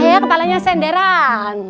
ayo kepalanya senderan